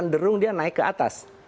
cenderung dia naik ke atas